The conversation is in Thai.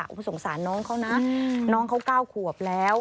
โอ้โหสงสารน้องเขานะน้องเขา๙ขวบแล้ว